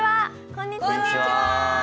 こんにちは！